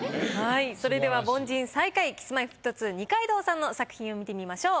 それでは凡人最下位Ｋｉｓ−Ｍｙ−Ｆｔ２二階堂さんの作品を見てみましょう。